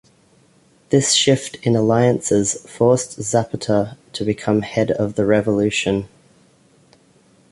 This shift in alliances forced Zapata to become head of the Revolution.